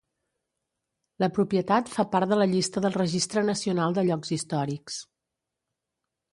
La propietat fa part de la llista del Registre Nacional de Llocs Històrics.